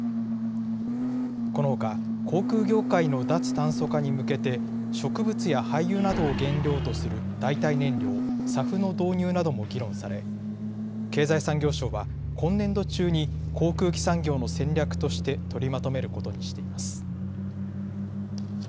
このほか航空業界の脱炭素化に向けて植物や廃油などを原料とする代替燃料、ＳＡＦの導入なども議論され経済産業省は今年度中に航空機産業の戦略として取りまとめることにしています。